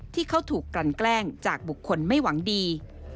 ที่เขาถูกกลั่นแกล้งจากบุคคลไม่หวังดี